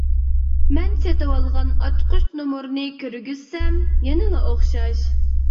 مەن سېتىۋالغان ئاچقۇچ نومۇرنى كىرگۈزسەم يەنىلا ئوخشاش.